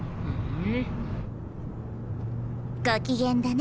ん？